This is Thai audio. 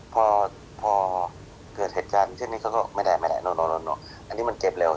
พอพอเกิดเหตุการณ์เช่นนี้เขาก็ไม่ได้ไม่ได้อันนี้มันเจ็บเร็ว